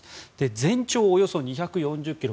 全長およそ２４０ｋｍ。